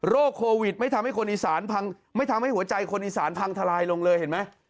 โรคโควิดไม่ทำให้หัวใจคนอีสานพังทลายลงเลยเห็นไหม